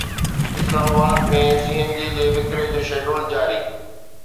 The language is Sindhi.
اسلام آباد ۾ سي اين جي جي وڪري جو شيڊول جاري